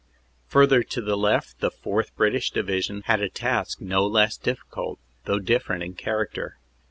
Further to the left, the 4th. British Division had a task no less difficult though different in character.